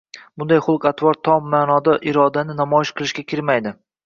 Bunday xulq-atvor tom maʼnoda irodani namoyish qilishga kirmaydi